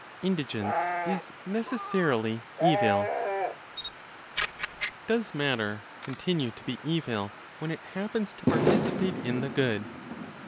INDIGENCE IS NECESSARILY EVIL. Does matter continue to be evil when it happens to participate in the good?